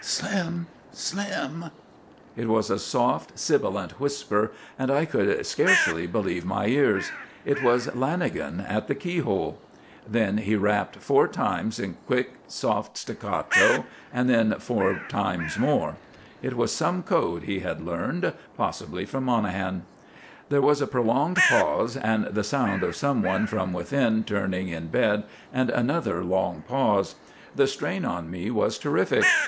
"Slim! Slim!" It was a soft, sibilant whisper, and I could scarcely believe my ears. It was Lanagan at the keyhole. Then he rapped four times in quick, soft staccato, and then four times more. It was some code he had learned, possibly from Monahan. There was a prolonged pause, and the sound of someone from within turning in bed, and another long pause. The strain on me was terrific.